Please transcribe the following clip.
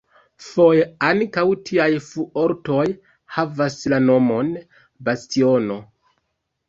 Foje ankaŭ tiaj fuortoj havas la nomon "bastiono".